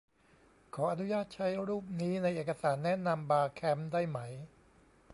ขออนุญาตใช้รูปนี้ ในเอกสารแนะนำบาร์แคมป์ได้ไหม ?